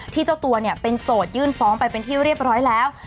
เจ้าตัวเป็นโจทยื่นฟ้องไปเป็นที่เรียบร้อยแล้ว